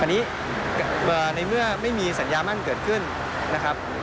อันนี้ในเมื่อไม่มีสัญญามั่นเกิดขึ้นนะครับ